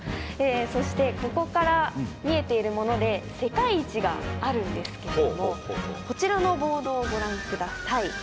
そしてここから見えているもので世界一があるんですけれどもこちらのボードをご覧ください。